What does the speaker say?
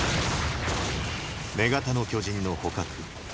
女型の巨人の捕獲。